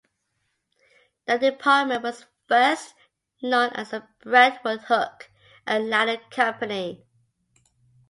The Department was first known as the Brentwood Hook and Ladder Company.